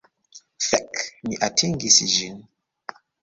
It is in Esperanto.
Fek! Mi atingis ĝin!